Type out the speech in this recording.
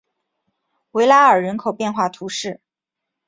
维拉尔人口变化图示